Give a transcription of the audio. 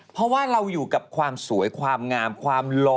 เพราะว่าเราอยู่กับความสวยความงามความหล่อ